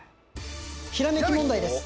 ひらめき問題です